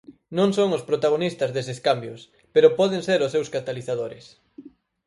Non son os protagonistas deses cambios, pero poden ser os seus catalizadores.